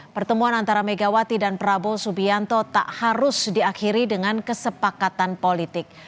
pertemuan antara megawati dan prabowo subianto tak harus diakhiri dengan kesepakatan politik